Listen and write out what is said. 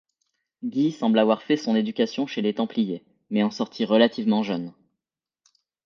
Guy semble avoir fait son éducation chez les Templiers, mais en sortit relativement jeune.